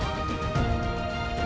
ya bagus kagum gitu ya